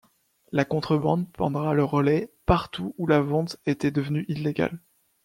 La contrebande prendra le relais partout où la vente était devenue illégale.